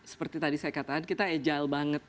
seperti tadi saya katakan kita agile banget